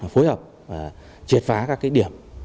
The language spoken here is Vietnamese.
phối hợp triệt phá các điểm